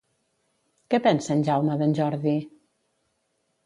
Què pensa en Jaume d'en Jordi?